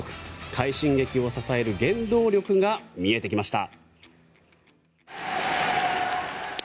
快進撃を支える原動力が見えてきました。